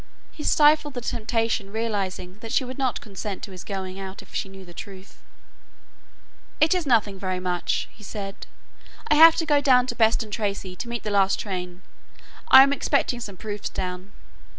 He stifled the temptation realizing that she would not consent to his going out if she knew the truth. "It is nothing very much," he said. "I have to go down to Beston Tracey to meet the last train. I am expecting some proofs down."